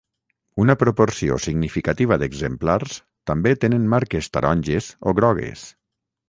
Una proporció significativa d'exemplars també tenen marques taronges o grogues.